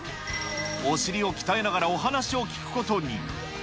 お尻を鍛えながらお話を聞くことに。